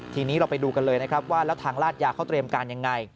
ทีนี้เราไปดูกันเลยนะครับว่าแล้วทางลาดยาเขาเตรียมการยังไง